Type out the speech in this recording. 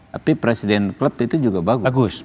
tapi presiden klub itu juga bagus